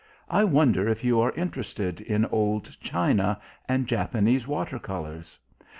I wonder if you are interested in old china and Japanese water colours?..."